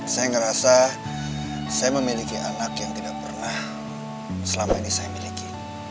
saya merasa saya memiliki anak yang tidak pernah selama ini saya miliki